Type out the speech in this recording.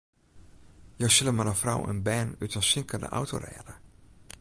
Jo sille mar in frou en bern út in sinkende auto rêde.